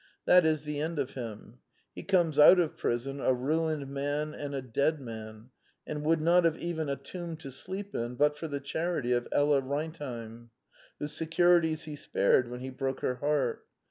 That is the end of him. He comes out of prison a ruined man and a dead man, and would not have even a tomb to sleep in but for the charity of Ella Rentheim, whose securities he spared when he broke her heart.